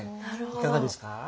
いかがですか？